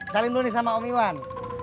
saling dulu nih sama om iwan